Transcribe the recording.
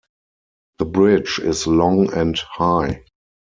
The bridge is long and high.